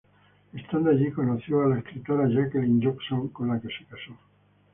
Estando allí, conoció a la escritora Jacqueline Johnson, con la que se casó.